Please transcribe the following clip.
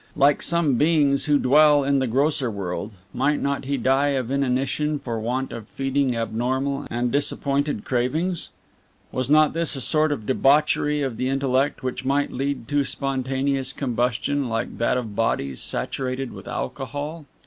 Like some beings who dwell in the grosser world, might not he die of inanition for want of feeding abnormal and disappointed cravings? Was not this a sort of debauchery of the intellect which might lead to spontaneous combustion, like that of bodies saturated with alcohol?